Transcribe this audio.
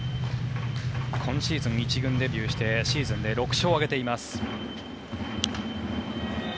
今シーズン１軍デビューしてシーズンで６勝を挙げています。